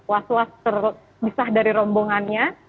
was was terpisah dari rombongannya